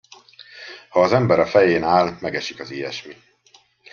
Ha az ember a fején áll, megesik az ilyesmi.